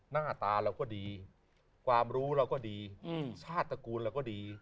หน้าตาเราก็ดีความรู้เราก็ดีชาติตระกูลเราก็ดี